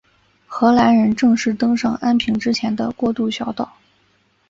荷兰人正式登上安平之前的过渡小岛。